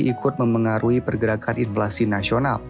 ikut memengaruhi pergerakan inflasi nasional